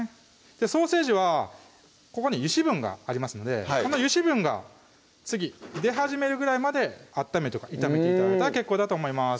ソーセージはここに油脂分がありますので油脂分が次出始めるぐらいまで炒めて頂いたら結構だと思います